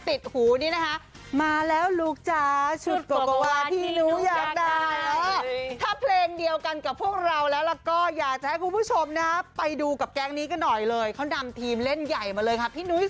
ถ้าช่วงวันสองวันที่ผ่านมาแล้ว